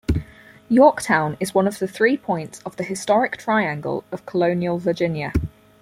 Yorktown is one of the three points of the Historic Triangle of Colonial Virginia.